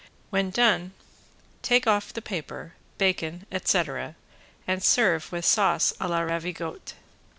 When done take off the paper, bacon, etc., and serve with sauce a la ravigotte.